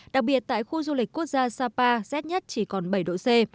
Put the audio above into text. đặc biệt tại khu du lịch quốc gia sapa rét nhất chỉ còn bảy độ c